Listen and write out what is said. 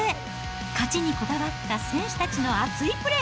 勝ちにこだわった選手たちの熱いプレー。